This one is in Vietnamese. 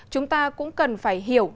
chúng ta cũng cần phải hiểu